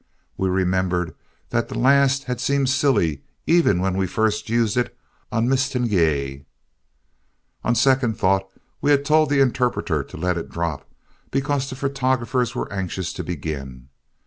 We remembered that the last had seemed silly even when we first used it on Mistinguett. On second thought we had told the interpreter to let it drop because the photographers were anxious to begin.